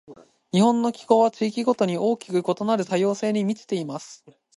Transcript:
日本の気候は、地域ごとに大きく異なる多様性に満ちています。